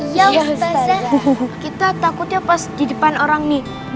iya ustazah kita takutnya pas di depan orang nih